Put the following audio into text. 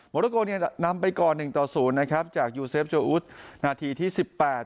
โรโกเนี่ยนำไปก่อนหนึ่งต่อศูนย์นะครับจากยูเซฟโจอุทนาทีที่สิบแปด